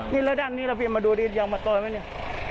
นี่ด้านนี้เราเปลี่ยนมาดูดิยางมะตอยไหมเนี่ย